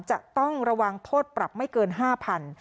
จะต้องระวังโทษปรับไม่เกิน๕๐๐บาท